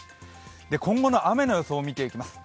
今後の雨の予想を見ていきます。